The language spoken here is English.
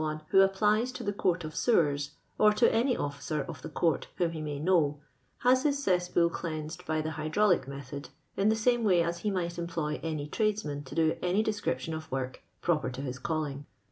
per year 468 jei730 Any householder, drc, who applies to the C(nirt of Sewers, or to any officer of the court wliom ho may know, has his c(»8pool cleansed hy the hydraulic mcthodt in the same way as h<i might employ any tradesman to do any description of work proper to his calling.